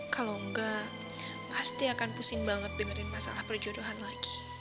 kalau enggak pasti akan pusing banget dengerin masalah perjodohan lagi